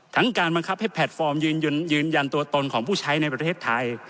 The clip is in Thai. การบังคับให้แพลตฟอร์มยืนยันตัวตนของผู้ใช้ในประเทศไทย